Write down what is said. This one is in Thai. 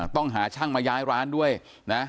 ต้องหาช่างมาย้ายร้านด้วยนะ